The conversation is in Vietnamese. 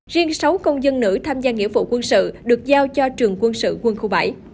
riêng sáu công dân nữ tham gia nghĩa vụ quân sự được giao cho trường quân sự quân khu bảy